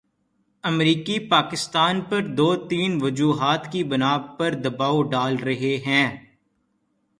امریکی پاکستان پر دو تین وجوہات کی بنا پر دبائو ڈال رہے ہیں۔